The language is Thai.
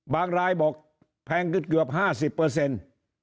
บางรายบอกแพงขึ้นเกือบห้าสิบเปอร์เซ็นต์